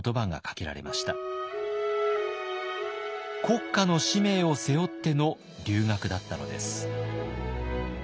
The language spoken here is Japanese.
国家の使命を背負っての留学だったのです。